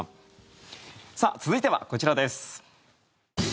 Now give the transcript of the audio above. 続いてはこちらです。